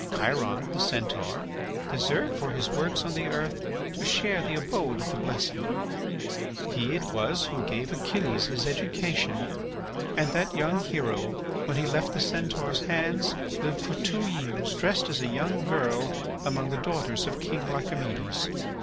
Chiron, the Centaur, deserved for his works on the earth to share the abode of the blessed; he it was who gave Achilles his education; and that young hero, when he left the Centaur's hands, lived for two years, dressed as a young girl, among the daughters of King Lycomedes.